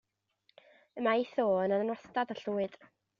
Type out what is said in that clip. Y mae ei tho yn anwastad a llwyd.